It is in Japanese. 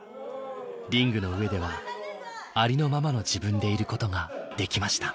リングの上ではありのままの自分でいることができました。